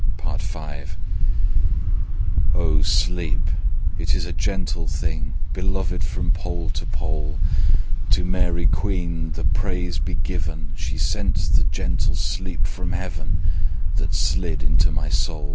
Part V "Oh sleep! it is a gentle thing, Beloved from pole to pole! To Mary Queen the praise be given! She sent the gentle sleep from Heaven, That slid into my soul.